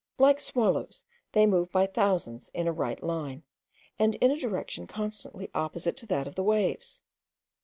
Like swallows, they move by thousands in a right line, and in a direction constantly opposite to that of the waves.